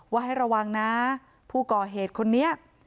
ให้ระวังนะผู้ก่อเหตุคนนี้